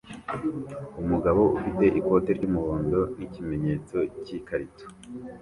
Umugabo ufite ikote ry'umuhondo n'ikimenyetso cy'ikarito